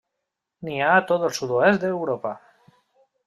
N'hi ha a tot el sud-oest d'Europa.